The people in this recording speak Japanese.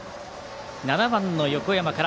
７番の横山から。